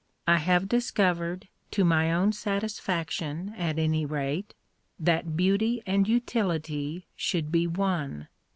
I have discovered, to my own satisfaction at any rate, that beauty and utility should be one.